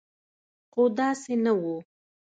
خو داسې نه و.